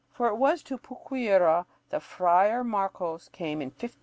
For it was to "Puquiura" that Friar Marcos came in 1566.